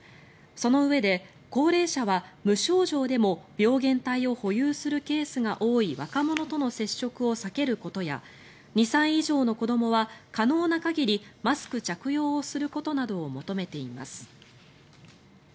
そのうえで、高齢者は無症状でも病原体を保有するケースが多い若者との接触を避けることや２歳以上の子どもは可能な限りマスク着用をすることなどを求めています。